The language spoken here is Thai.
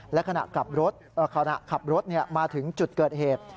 และขณะขับรถมาถึงจุดเกิดเหตุ